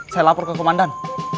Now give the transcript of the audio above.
saya lapor ke komandan